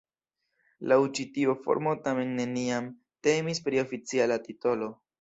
Laŭ ĉi tiu formo tamen neniam temis pri oficiala titolo.